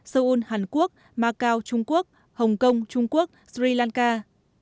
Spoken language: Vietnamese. seoul hàn quốc macau trung quốc hồng kông trung quốc sri lanka